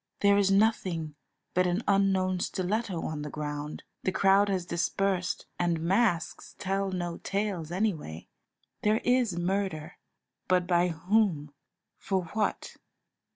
There is nothing but an unknown stiletto on the ground, the crowd has dispersed, and masks tell no tales anyway. There is murder, but by whom? for what?